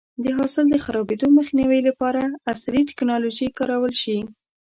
د حاصل د خرابېدو مخنیوی لپاره عصري ټکنالوژي کارول شي.